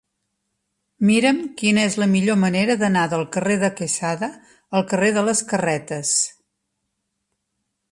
Mira'm quina és la millor manera d'anar del carrer de Quesada al carrer de les Carretes.